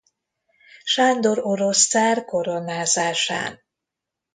Sándor orosz cár koronázásán.